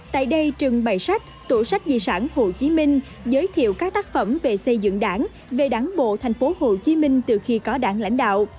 tại đây trưng bày sách tủ sách dị sản hồ chí minh giới thiệu các tác phẩm về xây dựng đảng về đảng bộ tp hcm từ khi có đảng lãnh đạo